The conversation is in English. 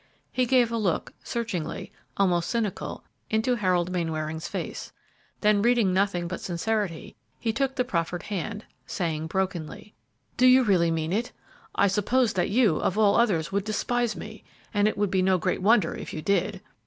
He gave a look, searching, almost cynical, into Harold Mainwaring's face; then reading nothing but sincerity, he took the proffered hand, saying brokenly, "Do you really mean it? I supposed that you, of all others, would despise me; and it would be no great wonder if you did!"